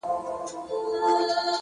قربانو زړه مـي خپه دى دا څو عمـر،